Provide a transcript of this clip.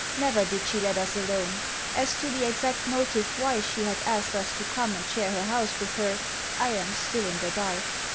Never did she let us alone. As to the exact motive why she had asked us to come and share her house with her I am still in the dark.